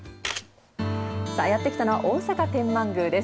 やって来たのは、大阪天満宮です。